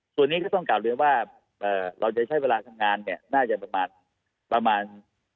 ส่วนนี้ก็ต้องกลับเรียนว่าเราจะใช้เวลาทำงานเนี่ยน่าจะประมาณ